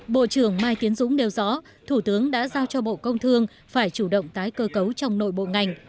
bộ trưởng mai tiến dũng nêu rõ thủ tướng đã giao cho bộ công thương phải chủ động tái cơ cấu trong nội bộ ngành